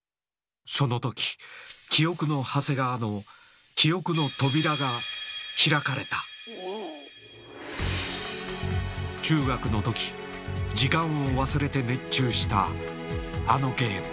その時「記憶の長谷川」の記憶の扉が開かれた中学の時時間を忘れて熱中したあのゲーム。